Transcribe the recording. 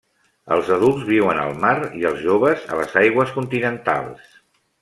Els adults viuen al mar i els joves a les aigües continentals.